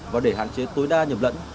và để hạn chế tối đa nhầm lẫn